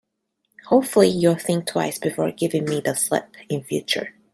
Hopefully, you'll think twice before giving me the slip in future.